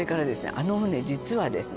あの船実はですね